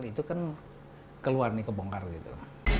dan itu kan keluar nih kebongkar gitu